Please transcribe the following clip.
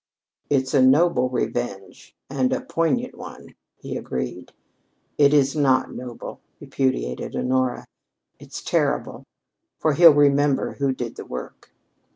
"It's a noble revenge and a poignant one," he agreed. "It's not noble," repudiated Honora. "It's terrible. For he'll remember who did the work."